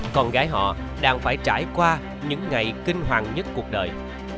con gái họ đang phải trải qua những ngày kinh hoàng nhất cuộc đời